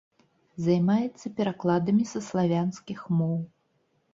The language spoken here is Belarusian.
Займаецца перакладамі са славянскіх моў.